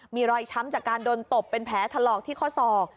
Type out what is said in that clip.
มีรอยช้ำจากการโดนตบเป็นแผลถลอกที่ข้อศอก